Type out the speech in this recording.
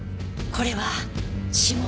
これは指紋？